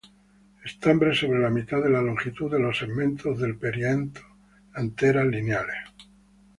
Estambres sobre la mitad de la longitud de los segmentos del perianto, anteras lineales.